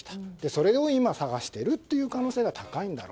それを今探しているという可能性が高いんだと。